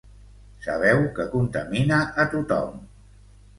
Sabeu que contamina a tothom.